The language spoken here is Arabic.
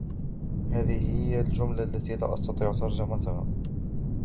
هذه هي الجملة التي لا أستطيع ترجمتها.